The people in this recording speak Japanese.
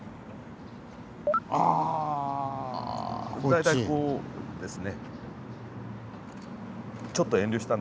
大体こうですね。